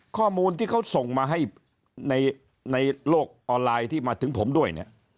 ข้อมูลที่เขาส่งมาให้ในโลกออนไลน์ที่มาถึงผมด้วยเนี่ย